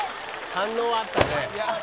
反応はあったね